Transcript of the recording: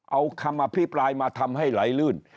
เอาคำอภิปรายมาทำให้ไหลลื่น